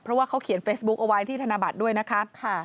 เพราะว่าเขาเขียนเฟซบุ๊คเอาไว้ที่ธนบัตรด้วยนะคะ